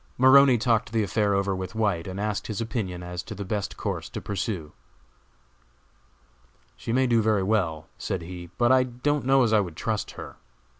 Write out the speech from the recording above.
Maroney talked the affair over with White, and asked his opinion as to the best course to pursue. "She may do very well," said he, "but I don't know as I would trust her.